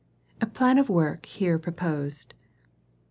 Plan of work here proposed.